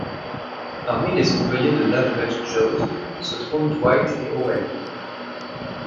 Parmi les employés de l'Average Joe's, se trouvent Dwight et Owen.